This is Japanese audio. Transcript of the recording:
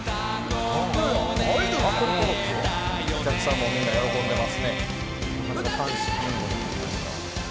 お客さんもみんな喜んでますね。